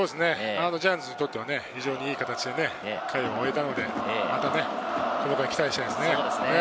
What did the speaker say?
ジャイアンツにとっては非常にいい形で回を終えたので、またこの回、期待したいですね。